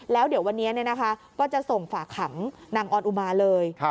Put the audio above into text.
แล้วเดี๋ยววันนี้ก็จะส่งฝากขังนางออนอุมาเลย